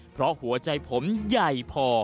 เพราะหัวใจผมใหญ่พอ